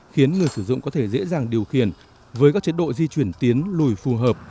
khiến người sử dụng có thể dễ dàng điều khiển với các chế độ di chuyển tiến lùi phù hợp